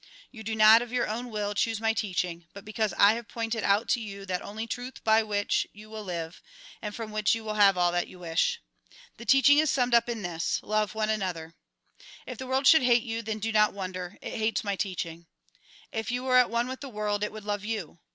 You do not, of your own will, choose in. XV, THE FAREWELL DLSCOURSE 141 Jn. XV. 17. 27. xvi. 1. my teaching; but because I have pointed out to you that only truth by which you will live, and from which you will have all that you wish. "The teaching is summed up in this — Love one another. " If the world should hate you, then do not wonder ; it hates my teaching. If you were at one with the world, it would love you.